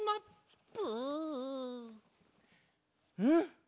うん！